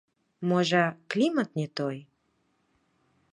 Можа, клімат не той?